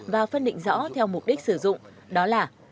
và phân định rõ theo mục đích sử dụng đó là